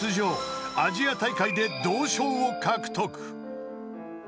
［アジア大会で銅賞を獲得］